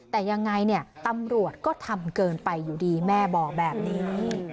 แต่ยังไงเนี่ยตำรวจก็ทำเกินไปอยู่ดีแม่บอกแบบนี้